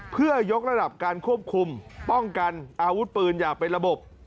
เพื่อยกระดับการควบคุมป้องกันอาวุธปืนอย่างเป็นระบบ